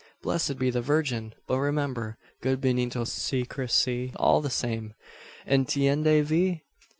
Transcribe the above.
Blessed be the virgin! But remember, good Benito Secrecy all the same. Entiende, V?"